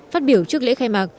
phát biểu trước lễ khai mạc